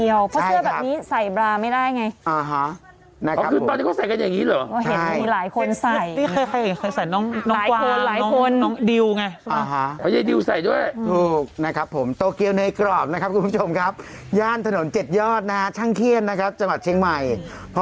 อยากกินมะม่วงเลยครับ